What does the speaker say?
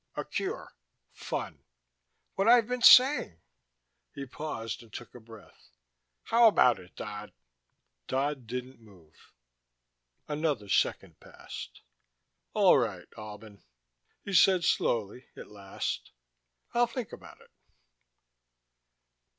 A cure. Fun. What I've been saying." He paused and took a breath. "How about it, Dodd?" Dodd didn't move. Another second passed. "All right, Albin," he said slowly, at last. "I'll think about it.